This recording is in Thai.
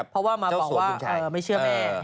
เพราะว่ามาบอกว่าไม่เชื่อแม่